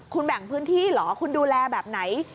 คุณแบ่งพื้นที่เหรอคุณดูแลแบบไหน